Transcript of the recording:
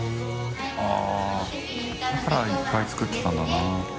あぁだからいっぱい作ってたんだな。